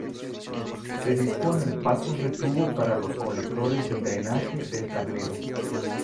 Se disponen pasos de tubo para los colectores del drenaje del tablero.